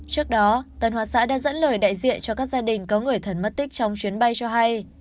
trước đó tân hoa xã đã dẫn lời đại diện cho các gia đình có người thân mất tích trong chuyến bay cho hay